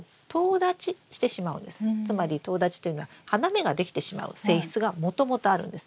つまりとう立ちというのは花芽ができてしまう性質がもともとあるんですね。